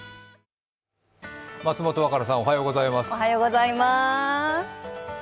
松本若菜さん、おはようございます。